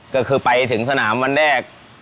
ก็คือไปถึงสนามวันแรก